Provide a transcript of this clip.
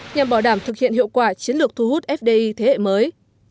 nhằm bảo đảm thực hiện hiệu quả chiến lược thu hút fdi thế hệ mới